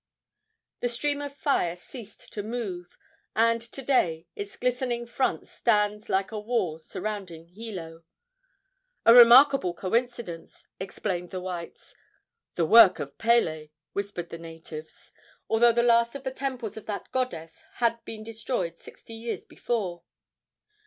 The stream of fire ceased to move, and to day its glistening front stands like a wall around Hilo. "A remarkable coincidence," explained the whites. "The work of Pele," whispered the natives, although the last of the temples of that goddess had been destroyed sixty years before.